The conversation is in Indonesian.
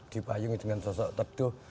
dipayungi dengan sosok teduh